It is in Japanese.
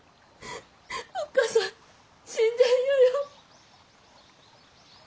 おっ母さん死んじゃ嫌よ。